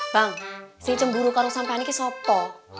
bang si cemburu karu sampean ini ke sopo